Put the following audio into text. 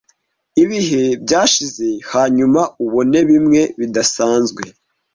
Ibihe byashize hanyuma ubone bimwe bidasanzwe.